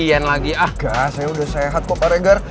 engga saya udah sehat kok pak regar